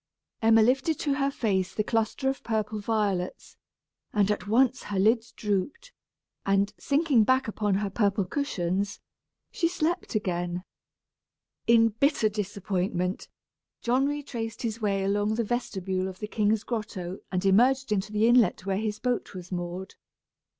Emma lifted to her face the cluster of purple violets, and at once her lids drooped; and, sinking back upon her purple cushions, she slept again. In bitter disappointment, John retraced his way along the vestibule of the king's grotto and emerged into the inlet where his boat was moored.